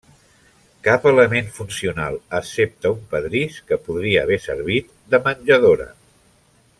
Cap element funcional excepte un pedrís que podria haver servit de menjadora.